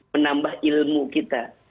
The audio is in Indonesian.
menambah ilmu kita